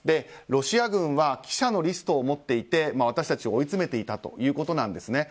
ロシア軍は記者のリストを持っていて私たちを追い詰めていたということなんです。